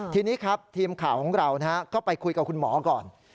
ทีนี้ครับทีมข่าวของเราก็ไปคุยกับคุณหมอก่อน